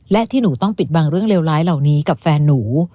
และที่หนูต้องปิดบังเรื่องเลวร้ายเหล่านี้กับแฟนหนู